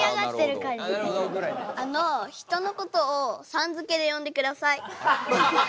あの人のことをさん付けで呼んでください。